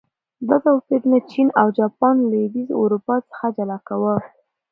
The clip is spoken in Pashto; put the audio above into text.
دا توپیرونه چین او جاپان له لوېدیځې اروپا څخه جلا کاوه.